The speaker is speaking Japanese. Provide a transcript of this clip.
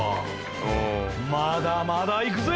まだまだいくぜ！